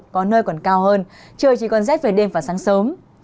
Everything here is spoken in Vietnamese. có nơi còn cao hơn trời chỉ còn rét về đêm và sáng sớm